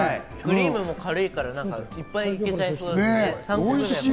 クリームも変えたら、いっぱいいけちゃいますよね。